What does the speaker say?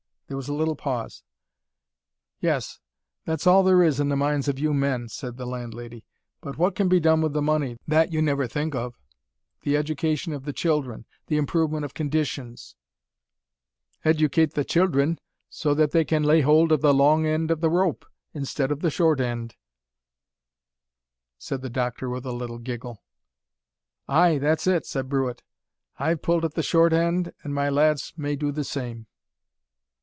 There was a little pause. "Yes, that's all there is in the minds of you men," said the landlady. "But what can be done with the money, that you never think of the education of the children, the improvement of conditions " "Educate the children, so that they can lay hold of the long end of the rope, instead of the short end," said the doctor, with a little giggle. "Ay, that's it," said Brewitt. "I've pulled at th' short end, an' my lads may do th' same."